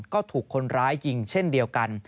ก็ถูกคนร้ายยิงเช่นเดียวกัน